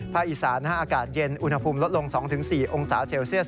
อีสานอากาศเย็นอุณหภูมิลดลง๒๔องศาเซลเซียส